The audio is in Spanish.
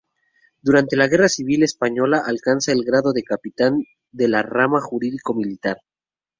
Durante la guerra civil española alcanza el grado de capitán de la rama jurídico-militar.